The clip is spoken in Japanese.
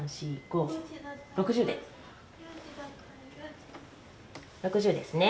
６０ですね。